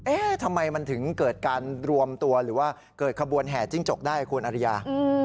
ทำไมมันถึงเกิดการรวมตัวหรือว่าเกิดขบวนแห่จิ้งจกได้คุณอริยา